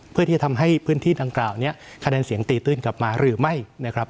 เพื่อที่จะทำให้พื้นที่ดังกล่าวนี้คะแนนเสียงตีตื้นกลับมาหรือไม่นะครับ